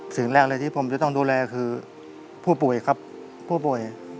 สิ่งแรกเลยที่ผมจะต้องดูแลคือผู้ป่วยครับผู้ป่วย